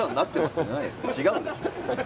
違うでしょ。